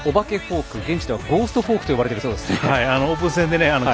お化けフォーク、現地ではゴーストフォークと呼ばれているそうです。